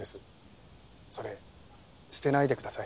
それ捨てないでください。